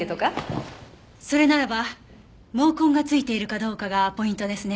それならば毛根が付いているかどうかがポイントですね。